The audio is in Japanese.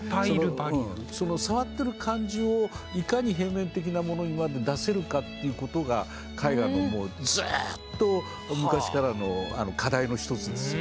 その触ってる感じをいかに平面的なものにまで出せるかということが絵画のもうずっと昔からの課題の一つですよね。